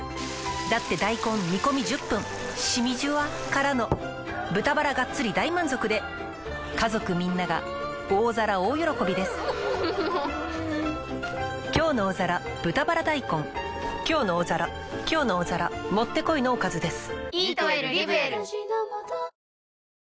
だって大根煮込み１０分しみじゅわからの豚バラがっつり大満足で家族みんなが大皿大喜びです「きょうの大皿」「きょうの大皿」もってこいのおかずです。